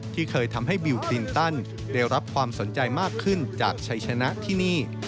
ที่เคยทำให้บิลคลินตันได้รับความสนใจมากขึ้นจากชัยชนะที่นี่